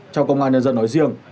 trong công an nhân dân nói riêng